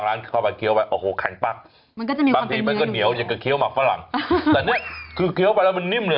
มันก็เป็นสูตรของแต่ละร้านนะครับ